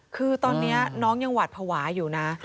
คือตอนนี้น้องยังหวัดภาวะอยู่นะ